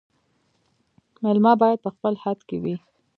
مېلمه باید په خپل حد کي وي